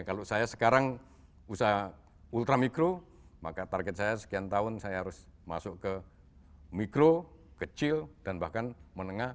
kalau saya sekarang usaha ultramikro maka target saya sekian tahun saya harus masuk ke mikro kecil dan bahkan menengah